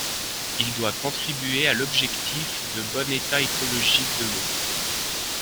Il doit contribuer à l'objectif de bon état écologique de l'eau.